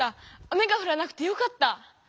雨がふらなくてよかった！